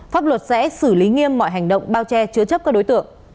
pháp luật sẽ xử lý nghiêm mọi hành động bao che chứa chấp các đối tượng